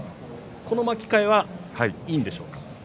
この巻き替えはいいんでしょうか。